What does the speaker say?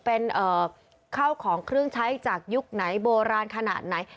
เป็นข้าวของเครื่องใช้จากยุคไหนโบราณขนาดไหน